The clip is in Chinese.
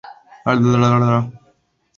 长女马以南托给湖南宁乡外婆家。